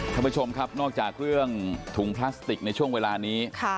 ท่านผู้ชมครับนอกจากเรื่องถุงพลาสติกในช่วงเวลานี้